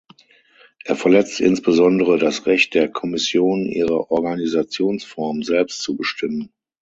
Er verletzt insbesondere das Recht der Kommission, ihre Organisationsform selbst zu bestimmen.